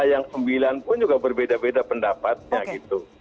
yang sembilan pun juga berbeda beda pendapatnya gitu